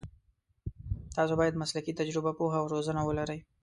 تاسو باید مسلکي تجربه، پوهه او روزنه ولرئ.